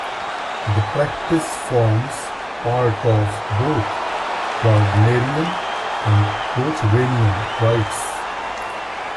The practice forms part of both Gardnerian and Cochranian rites.